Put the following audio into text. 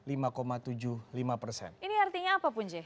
ini artinya apa punji